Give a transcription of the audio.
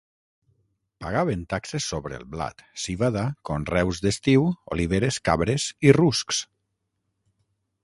Pagaven taxes sobre el blat, civada, conreus d'estiu, oliveres, cabres i ruscs.